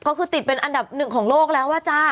ก็คือติดเป็นอันดับหนึ่งของโลกแล้วอ่ะจ้า